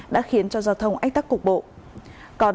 đã khiến cho giao thông ách tắc cục bộ